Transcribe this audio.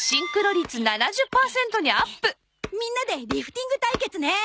みんなでリフティング対決ね！